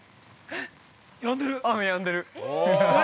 雨やんでる。